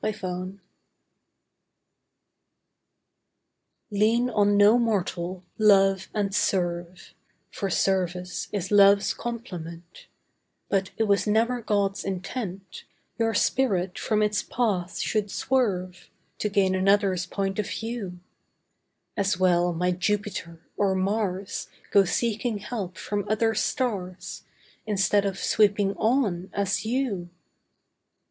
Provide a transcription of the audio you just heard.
ASSISTANCE Lean on no mortal, Love, and serve; (For service is love's complement) But it was never God's intent, Your spirit from its path should swerve, To gain another's point of view. As well might Jupiter, or Mars Go seeking help from other stars, Instead of sweeping ON, as you.